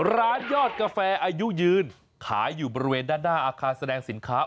ยอดกาแฟอายุยืนขายอยู่บริเวณด้านหน้าอาคารแสดงสินค้า